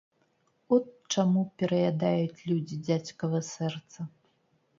От чаму пераядаюць людзі дзядзькава сэрца.